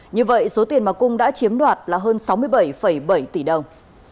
như vậy số tiền mà cung đã chiếm đoạt là hơn sáu mươi bảy bảy tỷ đồng